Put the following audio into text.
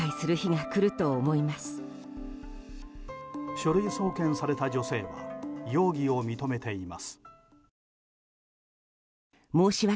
書類送検された女性は容疑を認めています。